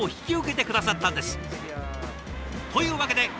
というわけで。